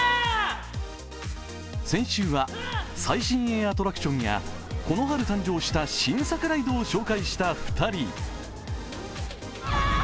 先週は最新鋭アトラクションやこの春誕生した新作ライドを紹介した２人。